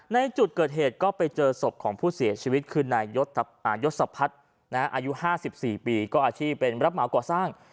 ในจุดเกิดเหตุก็ไปเจอศพของผู้เสียชีวิตคือนายยศพัฒน์อายุ๕๔ปีก็อาชีพเป็นรับเหมาก่อสร้าง